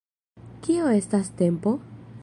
Kio estas tempo?